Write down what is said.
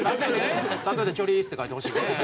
タトゥーで「チョリース」って書いてほしいね。